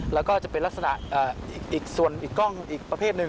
แล้วก็จะเป็นลักษณะอีกส่วนอีกกล้องอีกประเภทหนึ่ง